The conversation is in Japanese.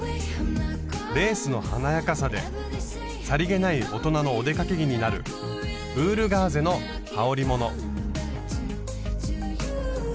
レースの華やかさでさりげない大人のお出かけ着になるウールガーゼのはおりもの。